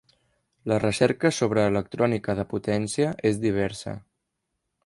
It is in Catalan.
La recerca sobre electrònica de potència és diversa.